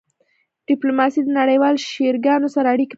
ډیپلوماسي د نړیوالو شریکانو سره اړیکې پالي.